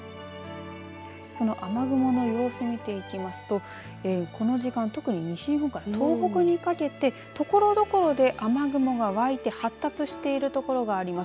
その雨雲の様子見ていきますとこの時間特に西日本から東北にかけてところどころで雨雲が湧いて発達している所があります。